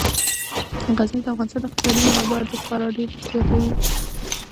غزني د افغانستان د اقتصادي منابعو ارزښت خورا ډیر زیاتوي.